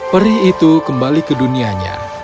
perih itu kembali ke dunianya